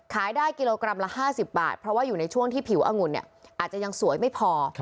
ขายได้กิโลกรัมละ๕๐บาทเพราะว่าอยู่ในช่วงที่ผิวองุ่นอาจจะยังสวยไม่พอ